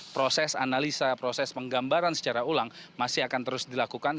proses analisa proses penggambaran secara ulang masih akan terus dilakukan